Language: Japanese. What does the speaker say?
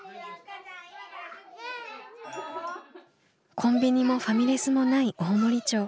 コンビニもファミレスもない大森町。